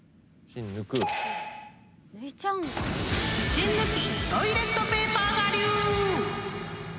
［芯抜トイレットペーパー我流！］